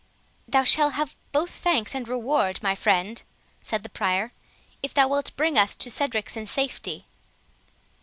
"Thou shalt have both thanks and reward, my friend," said the Prior, "if thou wilt bring us to Cedric's in safety."